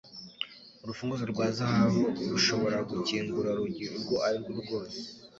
Urufunguzo rwa zahabu rushobora gukingura urugi urwo arirwo rwose